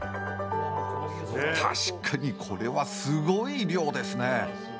確かにこれはすごい量ですね。